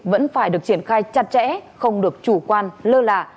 vẫn phải được triển khai chặt chẽ không được chủ quan lơ lạ